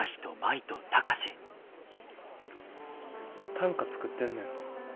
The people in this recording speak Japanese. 短歌作ってんねん。